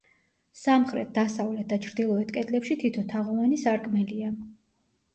სამხრეთ, დასავლეთ და ჩრდილოეთ კედლებში თითო თაღოვანი სარკმელია.